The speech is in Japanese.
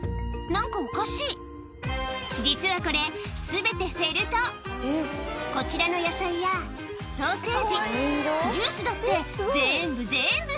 何かおかしい実はこれ全てフェルトこちらの野菜やソーセージジュースだってぜんぶぜんぶ